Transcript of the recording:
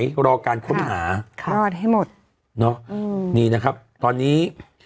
ผู้สูญหายรอการค้นหาค่ะให้หมดเนอะอืมนี่นะครับตอนนี้